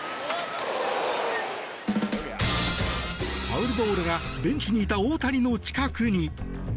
ファウルボールがベンチにいた大谷の近くに。